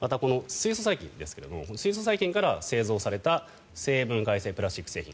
水素細菌ですがこの水素細菌から製造された生分解性プラスチック製品